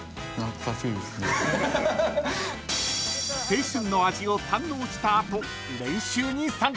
［青春の味を堪能した後］